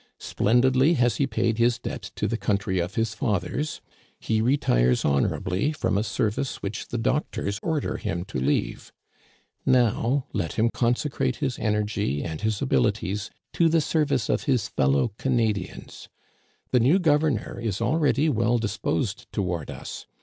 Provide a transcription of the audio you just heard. Splendidly has he paid his debt to the country of his fathers. He retires honorably from a service which the doctors order him to leave. Now let him consecrate his energy and his abilities to the service of his fellow Canadians. The new governor is already well disposed toward us.